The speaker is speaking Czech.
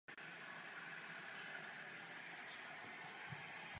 Za tým hrál za divizní rezervu.